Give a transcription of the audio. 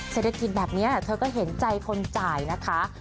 เศรษฐกิจแบบนี้เธอก็เห็นใจคนจ่ายนะคะ